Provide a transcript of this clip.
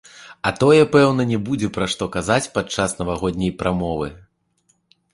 А тое, пэўна, не будзе пра што казаць падчас навагодняй прамовы.